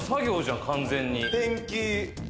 ペンキ。